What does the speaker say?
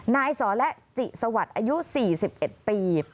นายสรจิสวัสดิ์อายุ๔๑ปี